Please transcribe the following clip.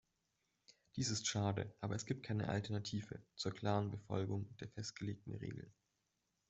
Dies ist schade, aber es gibt keine Alternative zur klaren Befolgung der festgelegten Regeln.